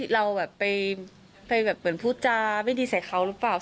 เราแบบไปแบบเหมือนพูดจาไม่ดีใส่เขาหรือเปล่า